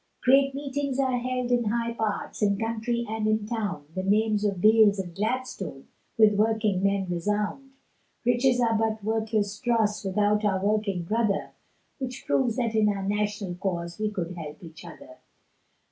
Great meetings are held in high parts, In country and in town, The names of Beales and Gladstone, With working men resound, Riches are but worthless dross, Without our working brother, Which proves that in our national cause We could help each other.